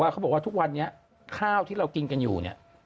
เขาบอกว่าทุกวันนี้ข้าวที่เรากินกันอยู่เนี่ย